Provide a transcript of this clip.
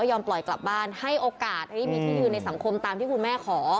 ทำประวัติแล้วก็ยอมปล่อยกลับบ้านให้โอกาสให้มีที่อยู่ในสังคมตามที่คุณแม่ขอ